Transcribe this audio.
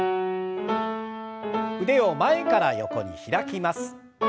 腕を前から横に開きます。